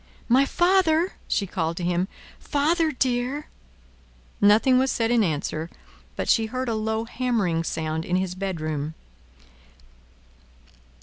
"My father!" she called to him. "Father dear!" Nothing was said in answer, but she heard a low hammering sound in his bedroom.